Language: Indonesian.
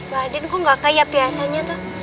badin kok gak kayak biasanya tuh